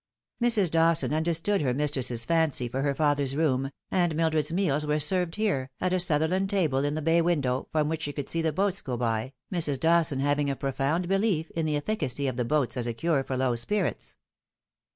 Mrs. Dawson understood her mistress's fancy for her father's room, and Mildred's meals were served hero, at a Sutherland table in the bay window, from which she could see the boats go by, Mrs. Dawson having a profound belief in the efficacy of the boats as a cure for low spirits.